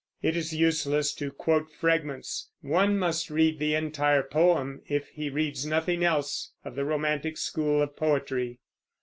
It is useless to quote fragments; one must read the entire poem, if he reads nothing else of the romantic school of poetry.